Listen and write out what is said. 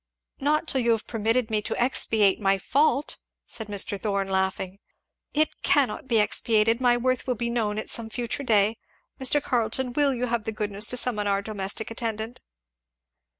"Not till you have permitted me to expiate my fault!" said Mr. Thorn laughing. "It cannot be expiated! My worth will be known at some future day. Mr. Carleton, will you have the goodness to summon our domestic attendant?"